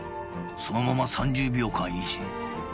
「そのまま３０秒間維持」